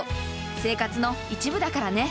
生活の一部だからね。